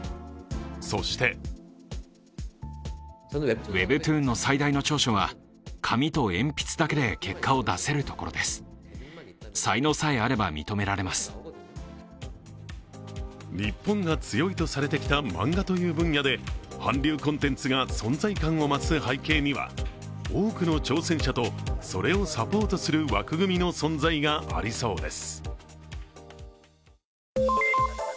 そして日本が強いとされてきた漫画という分野で韓流コンテンツが存在感を増す背景には多くの挑戦者とそれをサポートする枠組みの存在がありそうです。